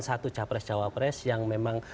satu capres cawapres yang memang